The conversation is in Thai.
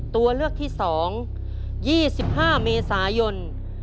ตัวเลือกที่สอง๒๕เมษายน๒๕๕๔